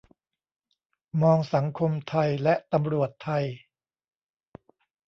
มองสังคมไทยและตำรวจไทย